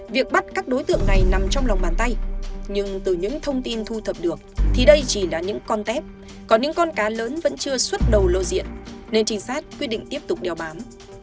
việc bắt các đối tượng này nằm trong lòng bàn tay nhưng từ những thông tin thu thập được thì đây chỉ là những con tép có những con cá lớn vẫn chưa xuất đầu lộ diện nên trinh sát quyết định tiếp tục đeo bám